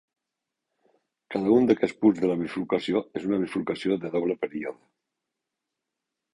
Cada un d'aquests punts de la bifurcació és una bifurcació de doble període.